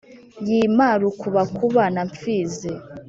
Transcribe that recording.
yima rukubakuba na mpfizi